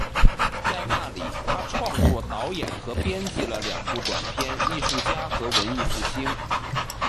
在那里，他创作、导演和编辑了两部短片，《艺术家》和《文艺复兴》。